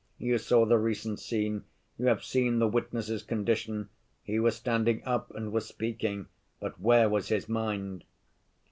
You saw the recent scene: you have seen the witness's condition. He was standing up and was speaking, but where was his mind?